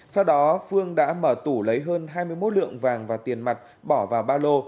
sau đó phương đã mở tủ lấy hơn hai mươi một lượng vàng và tiền mặt bỏ vào ba lô